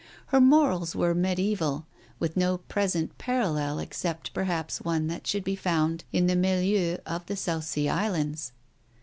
Her morals were mediaeval, with no present parallel except perhaps one that should be found in the milieu of the South Sea Islands.